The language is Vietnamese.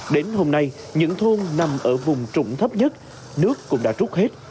đến hôm nay những thôn nằm ở vùng trụng thấp nhất nước cũng đã rút hết